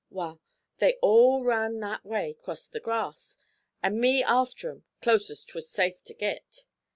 Wal, they all run that way crost the grass, an' me after 'em, close as 'twas safe to git.